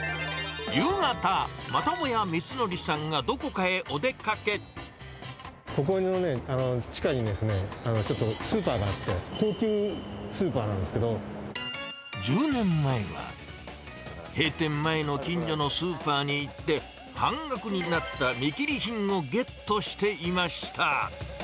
夕方、またもや、みつのりさここの地下にですね、ちょっとスーパーがあって、１０年前は、閉店前の近所のスーパーに行って、半額になった見切り品をゲットしていました。